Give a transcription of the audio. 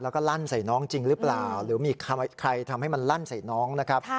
แล้วก็ลั่นใส่น้องจริงหรือเปล่าหรือมีใครทำให้มันลั่นใส่น้องนะครับ